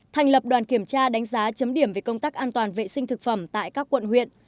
thành lập đoàn kiểm tra đánh giá chấm điểm về công tác an toàn vệ sinh thực phẩm tại các quận huyện